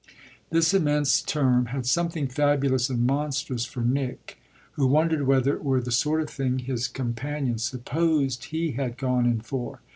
This immense term had something fabulous and monstrous for Nick, who wondered whether it were the sort of thing his companion supposed he had gone in for.